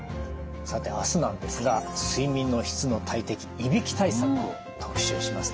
さて明日なんですが睡眠の質の大敵いびき対策を特集します。